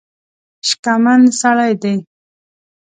شکمن سړی دی.